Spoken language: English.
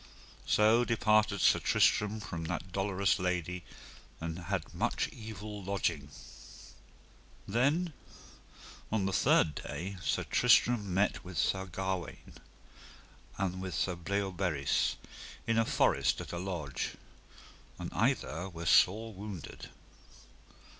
So departed Sir Tristram from that dolorous lady, and had much evil lodging. Then on the third day Sir Tristram met with Sir Gawaine and with Sir Bleoberis in a forest at a lodge, and either were sore wounded.